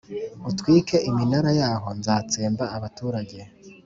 utwike iminara yaho Nzatsemba abaturage